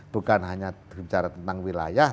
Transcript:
bukan hanya bicara tentang wilayah